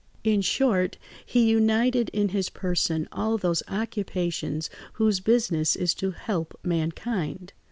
In short, he united in his person all those occupations whose business is to help mankind.